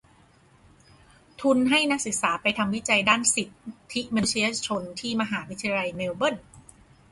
ทุนให้นักศึกษาไปทำวิจัยด้านสิทธิมนุษยชนที่มหาวิทยาลัยเมลเบิร์น